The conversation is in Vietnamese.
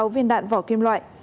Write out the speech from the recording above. bốn mươi sáu viên đạn vỏ kim loại